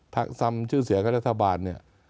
ทักซำชื่อเสียของรัฐบาลเนี่ย